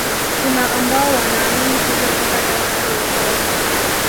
Kuna ambao wanaamini hivyo mpaka leo hadi wazawa